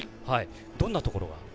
どんなところが？